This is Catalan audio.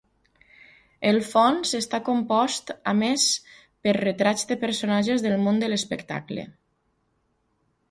El fons està compost a més per retrats de personatges del món de l'espectacle.